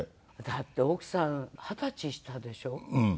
だって奥さん二十歳下でしょ。